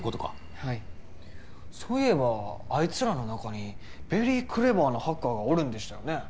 はいそういえばあいつらの中にベリークレバーなハッカーがおるんでしたよね？